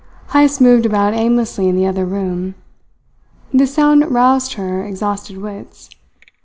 Heyst moved about aimlessly in the other room. This sound roused her exhausted wits.